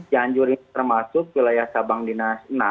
janjur ini termasuk wilayah sabang dinas